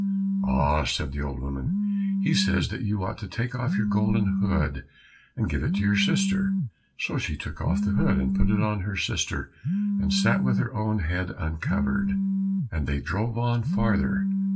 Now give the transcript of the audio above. "Ah," said the old woman, "he says that you ought to take off your golden hood and give it to your sister." So she took off the hood and put it on her sister, and sat with her own head uncovered. And they drove on farther.